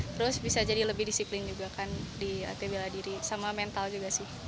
terus bisa jadi lebih disiplin juga kan di at bela diri sama mental juga sih